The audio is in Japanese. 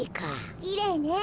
きれいね。